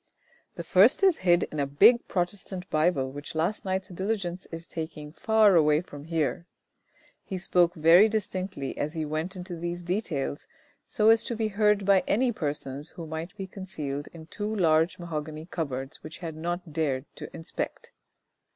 " The first is hid in a big Protestant Bible, which last night's diligence is taking far away from here." He spoke very distinctly as he went into these details, so as to be heard by any persons who might be concealed in two large mahogany cupboards which he had not dared to inspect.